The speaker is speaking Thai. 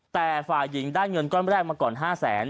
แต่ฝ่ายหญิงได้เงินก้อนแรกมาก่อน๕แสน